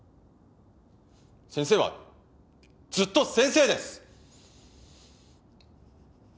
先生はずっと先生です！